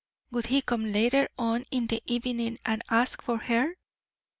Would he come later on in the evening and ask for her?